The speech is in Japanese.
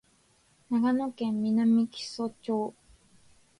長野県南木曽町